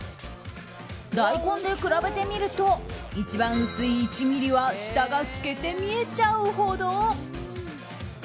大根で比べてみると一番薄い１ｍｍは下が透けて見えちゃうほど。